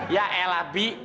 ya elah bi